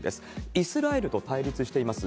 イスラエルと対立しています